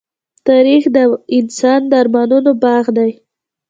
تاریخ د انسان د ارمانونو باغ دی.